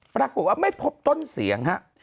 ปรากฏว่าไม่พบต้นเสียงฮะ